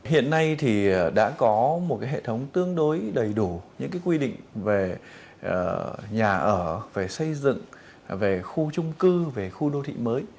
hiện nay thì đã có một hệ thống tương đối đầy đủ những quy định về nhà ở về xây dựng về khu trung cư về khu đô thị mới